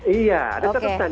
iya ada catatan